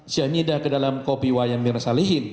cyanida ke dalam kopi wayang mirna salihin